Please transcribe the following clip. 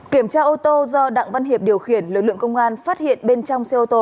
kiểm tra ô tô do đặng văn hiệp điều khiển lực lượng công an phát hiện bên trong xe ô tô